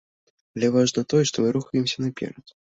Але важна тое, што мы рухаемся наперад.